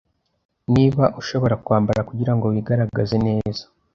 Niba ushobora kwambara kugirango wigaragaze neza,